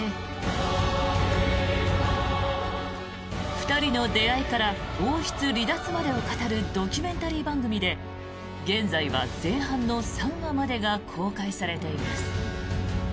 ２人の出会いから王室離脱までを語るドキュメンタリー番組で現在は前半の３話までが公開されています。